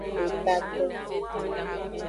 Etato.